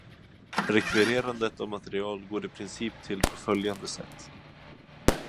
Rekvirerandet av material går i princip till på följande sätt.